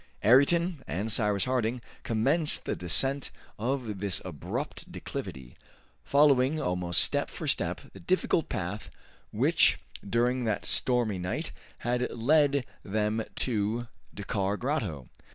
Ayrton and Cyrus Harding commenced the descent of this abrupt declivity, following almost step for step the difficult path which, during that stormy night, had led them to Dakkar Grotto.